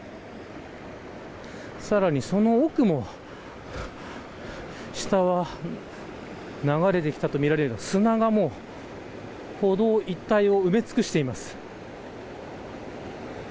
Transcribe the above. さらにその奥も下は流れてきたとみられる砂が歩道一帯を埋め尽くしています。